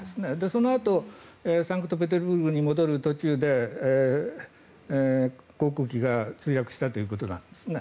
そのあとサンクトペテルブルクに戻る途中で航空機が墜落したということなんですね。